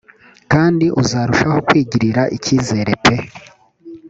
kandi uzarushaho kwigirira icyizere pe.